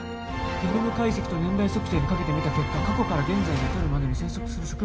「ゲノム解析と年代測定にかけてみた結果」「過去から現在に至るまでに生息する植物とは」